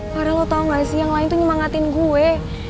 karena lo tau gak sih yang lain tuh nyemangatin gue